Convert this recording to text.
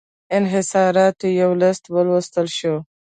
انحصاراتو یو لېست ولوستل شو.